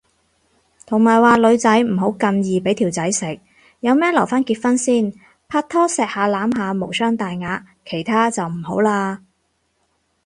同埋話女仔唔好咁易俾條仔食，有咩留返結婚先，拍拖錫下攬下無傷大雅，其他就唔好嘞